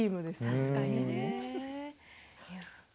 確かにね。